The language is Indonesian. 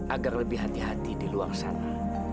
agar lebih hati hati di luar sana